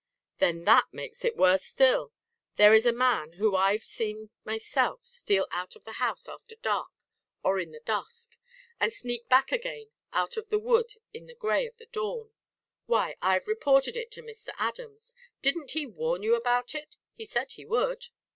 "Then that makes it worse still. There is a man who I've seen myself steal out of the house after dark, or in the dusk; and sneak back again out of the wood in the grey of the dawn. Why, I've reported it to Mr. Adams. Didn't he warn you about it; he said he would."